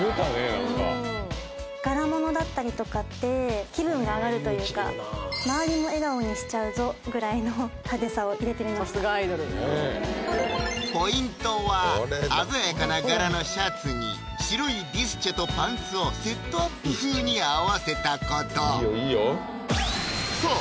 何か柄物だったりとかって気分が上がるというかぐらいの派手さを入れてみましたポイントは鮮やかな柄のシャツに白いビスチェとパンツをセットアップ風に合わせたことさあ